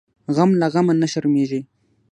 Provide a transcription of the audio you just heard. غم له غمه نه شرمیږي .